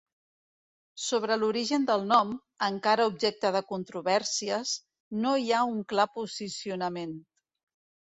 Sobre l'origen del nom, encara objecte de controvèrsies, no hi ha un clar posicionament.